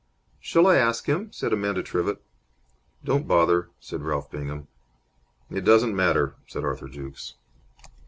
"Shall I ask him?" said Amanda Trivett. "Don't bother," said Ralph Bingham. "It doesn't matter," said Arthur Jukes.